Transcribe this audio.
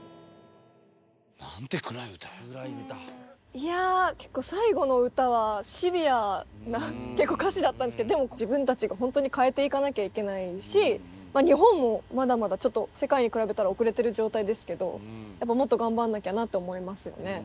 いや結構最後の歌はシビアな歌詞だったんですけどでも自分たちが本当に変えていかなきゃいけないし日本もまだまだちょっと世界に比べたら遅れてる状態ですけどやっぱりもっと頑張んなきゃなって思いますよね。